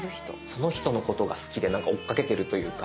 その人のことが好きで追っかけてるというか。